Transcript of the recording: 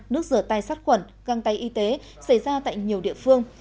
nước rửa tay sát khuẩn găng tay y tế xảy ra tại nhiều địa phương